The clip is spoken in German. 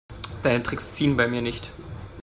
Deine Tricks ziehen bei mir nicht.